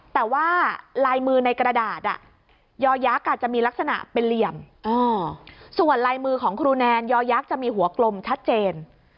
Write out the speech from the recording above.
แต่ว่าลายมือในกระดาษยอยักษ์จะมีลักษณะเป็นเหลี่ยมส่วนลายมือของครูแนนยอยักษ์จะมีหัวกลมชัดเจน